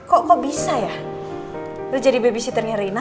kok gak bisa ya lo jadi babysitternya rina